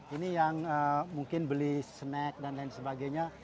ini yang mungkin beli snack dan lain sebagainya